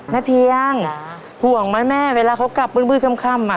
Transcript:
เพียงห่วงไหมแม่เวลาเขากลับมืดค่ำ